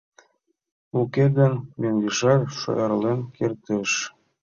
Уке гын, мӧҥгешат шӧрлен кертеш.